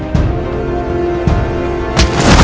yang lainnya ubah cer advisa